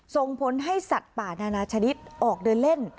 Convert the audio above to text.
ส่งผลให้สัตว์ป่านานาชนิดออกเดินเล่น